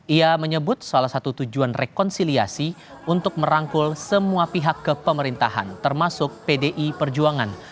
ia menyebut salah satu tujuan rekonsiliasi untuk merangkul semua pihak ke pemerintahan termasuk pdi perjuangan